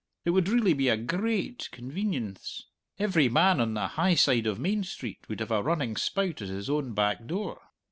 It would really be a grai ait convenience. Every man on the high side o' Main Street would have a running spout at his own back door!